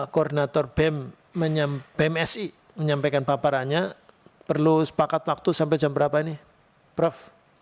coordinator bln menyampaikan paparannya perlu sepakat waktu sampai jam berapa nih seperop